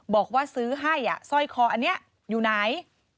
บอกว่าซื้อให้สร้อยคออันนี้อยู่ไหน